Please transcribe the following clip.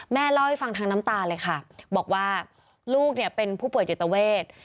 แม่เล่าให้ฟังทางน้ำตาเลยค่ะบอกว่าลูกเนี่ยเป็นผู้ป่วยจิตเวท